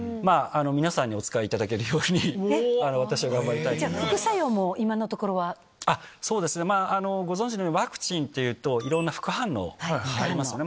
皆さんにお使いいただけるように、じゃあ、副作用も今のところそうですね、まあ、ご存じのように、ワクチンっていうと、いろんな副反応がありますね。